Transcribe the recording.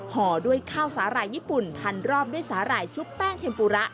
ห่อด้วยข้าวสาหร่ายญี่ปุ่นพันรอบด้วยสาหร่ายชุบแป้งเทมปูระ